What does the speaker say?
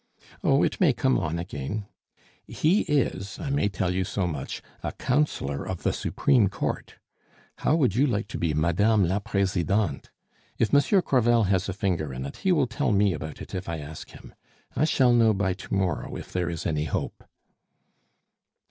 "Oh, it may come on again. He is I may tell you so much a Councillor of the Supreme Court. How would you like to be Madame la Presidente? If Monsieur Crevel has a finger in it, he will tell me about it if I ask him. I shall know by to morrow if there is any hope."